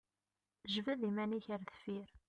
Jbed iman-ik ar deffir!